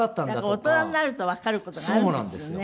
やっぱり大人になるとわかる事があるんですよね。